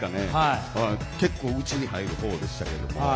結構、内に入るほうでしたね。